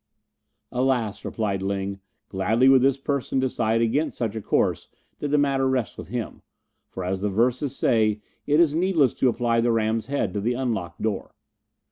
"Alas!" replied Ling, "gladly would this person decide against such a course did the matter rest with him, for as the Verses say, 'It is needless to apply the ram's head to the unlocked door.